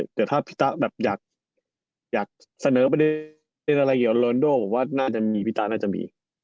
เดี๋ยวถ้าพี่ตะแบบอยากเสนอไปในอะไรเกี่ยวกับโรนโดผมว่าน่าจะมีพี่ตาน่าจะมี